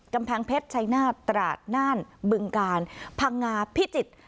กำแพงเพชรชัยนาธตราดน่านบึงกาลพังงาพิจิตร